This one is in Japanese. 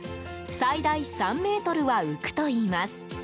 最大３ｍは浮くといいます。